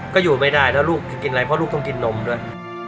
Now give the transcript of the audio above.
ก็อยู่ไม่ได้แล้วลูกจะกินอะไรเพราะลูกต้องกินนมด้วย